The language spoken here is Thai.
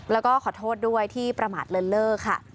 แล้วก็ขอโทษด้วยที่ประมาทเลินเลิกค่ะ